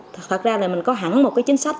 thật ra là mình có hẳn một cái chính sách